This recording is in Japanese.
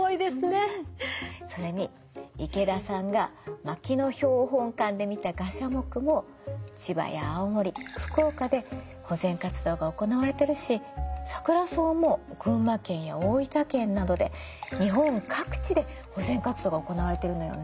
それに池田さんが牧野標本館で見たガシャモクも千葉や青森福岡で保全活動が行われてるしサクラソウも群馬県や大分県などで日本各地で保全活動が行われてるのよね。